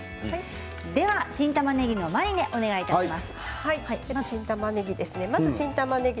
では新たまねぎのマリネお願いします。